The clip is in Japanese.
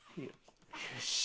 よし。